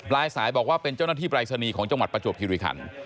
ลายสายบอกว่าเป็นเจ้าหน้าที่ปรายศนีย์ของจังหวัดประจวบคิริคัน